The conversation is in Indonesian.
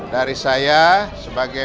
dari saya sebagai